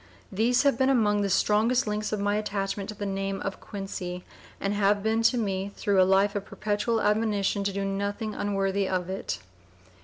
These have been among the strongest links of my attachment to the name of Quincy, and have been to me through life a perpetual admonition to do nothing unworthy of it."